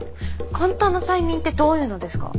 簡単な催眠ってどういうのですか？